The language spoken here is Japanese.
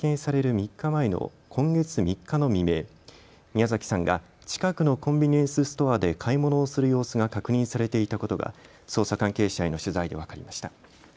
３日前の今月３日の未明、宮崎さんが近くのコンビニエンスストアで買い物をする様子が確認されていたことが捜査関係者への取材で分かりました。